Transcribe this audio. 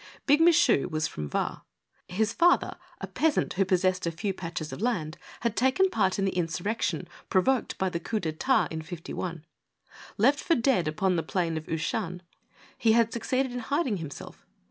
Big Michu was from Var. His father, a peasant who possessed a few patches of land, had taken part in the insurrection provoked by the coup d'etat in '51. Left for dead upon the plain of Uchane, he had succeeded in hiding himself.